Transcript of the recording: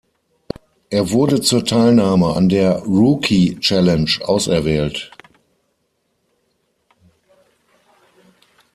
Er wurde zur Teilnahme an der Rookie Challenge auserwählt.